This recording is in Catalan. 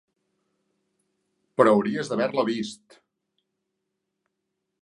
Però hauries d'haver-la vist!